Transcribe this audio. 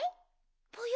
ぽよ？